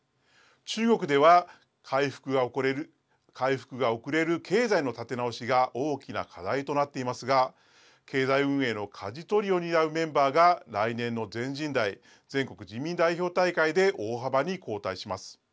中国では、回復が遅れる経済の立て直しが大きな課題となっていますが経済運営のかじ取りを担うメンバーが来年の全人代＝全国人民代表大会で大幅に交代します。